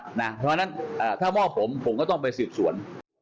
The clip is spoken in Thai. เพราะฉะนั้นถ้ามอบผมผมก็ต้องไปสืบสวน